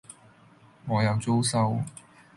我有租收